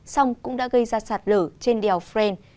xong cũng đã gây ra sạt lở trên đèo fren